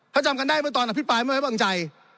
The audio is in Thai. ถ้าจำกันได้เมื่อตอนอภิปรายไม่ไว้วางใจ